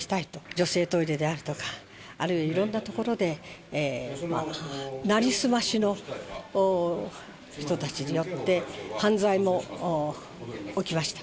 女性トイレであるとか、あるいはいろんなところで成り済ましの人たちによって、犯罪も起きました。